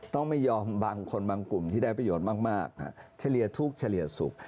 ต้องไม่ยอมบางคนบางกลุ่มที่ได้ประโยชน์มากเฉลี่ยทุกข์เฉลี่ยสุข